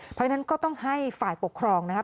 เพราะฉะนั้นก็ต้องให้ฝ่ายปกครองนะครับ